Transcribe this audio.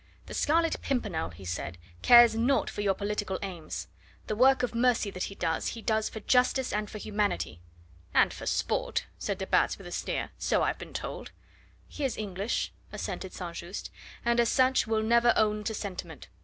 "The Scarlet Pimpernel," he said, "cares naught for your political aims. The work of mercy that he does, he does for justice and for humanity." "And for sport," said de Batz with a sneer, "so I've been told." "He is English," assented St. Just, "and as such will never own to sentiment.